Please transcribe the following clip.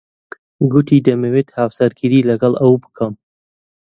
گوتی دەمەوێت هاوسەرگیری لەگەڵ ئەو بکەم.